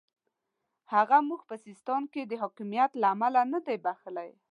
هغه موږ په سیستان کې د حکمیت له امله نه دی بخښلی.